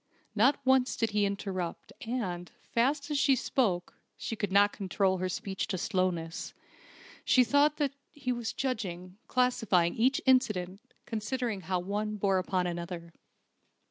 Not once did he interrupt, and, fast as she spoke (she could not control her speech to slowness), she thought that he was judging, classifying each incident, considering how one bore upon another.